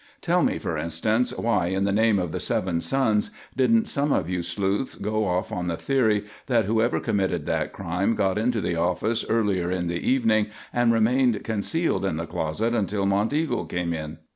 "Tell me, for instance, why in the name of the Seven Suns, didn't some of you sleuths go off on the theory that whoever committed that crime got into the office earlier in the evening and remained concealed in the closet until Monteagle came in?